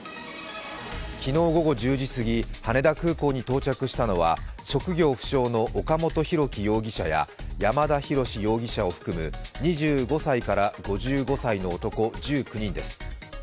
昨日午後１０時過ぎ、羽田空港に到着したのは職業不詳の岡本大樹容疑者や山田大志容疑者を含む２５歳から５５歳の男、１９人です。